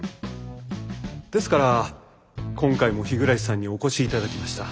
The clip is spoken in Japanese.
ですから今回も日暮さんにお越し頂きました。